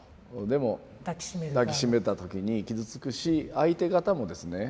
でも抱き締めた時に傷つくし相手方もですね